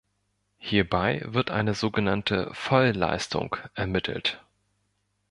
Hierbei wird eine sogenannte "Voll-Leistung" ermittelt.